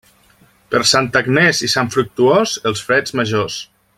Per Santa Agnés i Sant Fructuós, els freds majors.